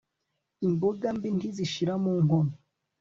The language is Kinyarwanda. imboga mbi ntizishira mu nkono